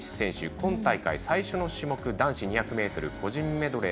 今大会最初の種目男子２００ｍ個人メドレー